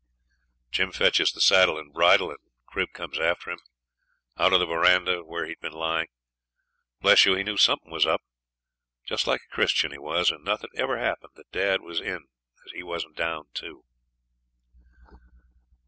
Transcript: Jim fetches the saddle and bridle, and Crib comes after him, out of the verandah, where he had been lying. Bless you! he knew something was up. Just like a Christian he was, and nothing never happened that dad was in as he wasn't down to.